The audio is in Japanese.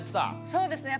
そうですね